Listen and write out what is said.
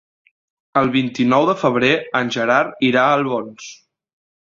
El vint-i-nou de febrer en Gerard irà a Albons.